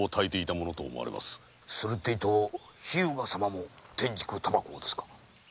するってえと日向様も天竺煙草をですか？